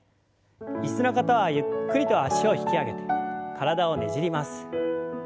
椅子の方はゆっくりと脚を引き上げて体をねじります。